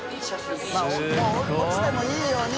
もう落ちてもいいように。